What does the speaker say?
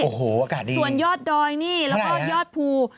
โอ้โฮอากาศดีนี่เพราะไหนนะส่วนยอดดอยแล้วก็ยอดภู